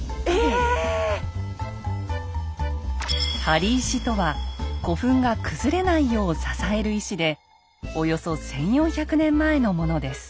「貼り石」とは古墳が崩れないよう支える石でおよそ１，４００年前のものです。